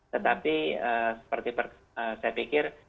tetapi seperti saya pikir